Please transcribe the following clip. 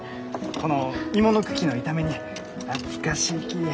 この芋の茎の炒め煮懐かしいき。